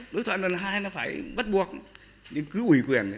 đối thoại lần hai là phải bắt buộc nhưng cứ ủy quyền